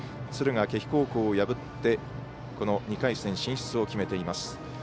敦賀気比高校を破って２回戦進出を決めています。